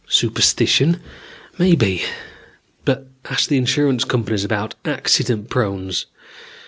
Superstition? Maybe; but ask the insurance companies about accident prones.